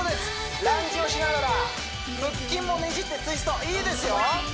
ランジをしながら腹筋もねじってツイストいいですよ